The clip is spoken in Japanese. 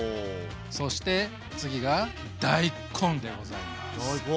そして次が大根でございます。